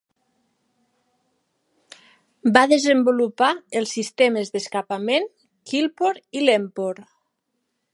Va desenvolupar els sistemes d'escapament Kylpor i Lempor.